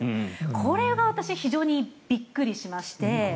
これは私非常にびっくりしまして。